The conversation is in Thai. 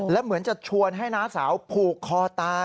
และเหมือนจะชวนให้น้าสาวผูกคอตาย